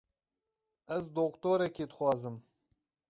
Ez doktorekî dixwazim.